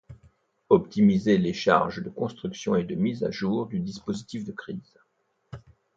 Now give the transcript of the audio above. Optimiser les charges de construction et de mise à jour du dispositif de crise.